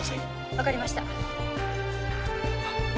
わかりました。